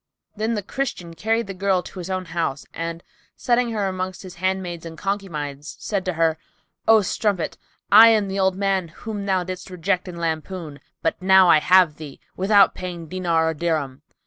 Then the Christian carried the girl to his own house and setting her amongst his handmaids and concubines, said to her, "O strumpet, I am the old man whom thou didst reject and lampoon; but now I have thee, without paying diner or dirham."